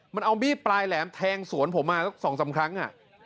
มันเอามีดปลายแหลมแทงสวนผมมา๒๓ครั้ง